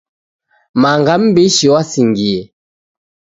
Manga mbishi wasingiye